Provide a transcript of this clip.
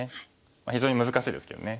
非常に難しいですけどね。